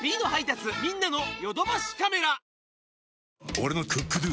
俺の「ＣｏｏｋＤｏ」！